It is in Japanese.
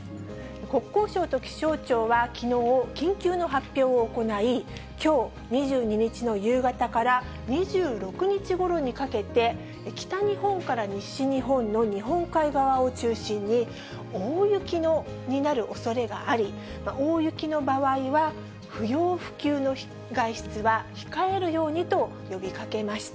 国交省と気象庁はきのう、緊急の発表を行い、きょう２２日の夕方から、２６日ごろにかけて、北日本から西日本の日本海側を中心に、大雪になるおそれがあり、大雪の場合は不要不急の外出は控えるようにと呼びかけました。